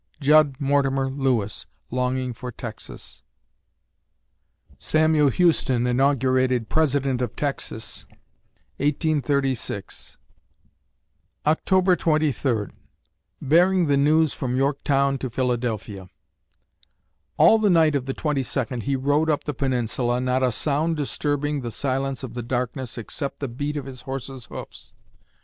JUDD MORTIMER LEWIS (Longing for Texas) Samuel Houston inaugurated President of Texas, 1836 October Twenty Third BEARING THE NEWS FROM YORKTOWN TO PHILADELPHIA All the night of the 22d he rode up the peninsula, not a sound disturbing the silence of the darkness except the beat of his horse's hoofs.